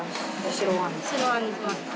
白あんにしますか？